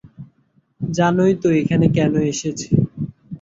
জানোই তো এখানে কেন এসেছি।